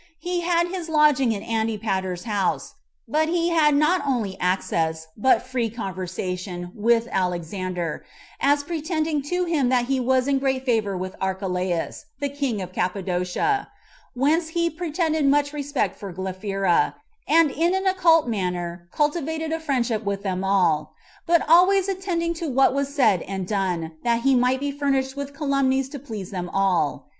He had his lodging in Antipater's house; but he had not only access, but free conversation, with Alexander, as pretending to him that he was in great favor with Archelaus, the king of Cappadocia; whence he pretended much respect to Glaphyra, and in an occult manner cultivated a friendship with them all; but always attending to what was said and done, that he might be furnished with calumnies to please them all.